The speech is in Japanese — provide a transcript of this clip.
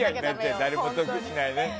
誰も得しないね。